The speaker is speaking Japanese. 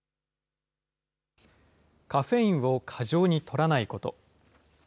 カフェインを過剰にとらないこと。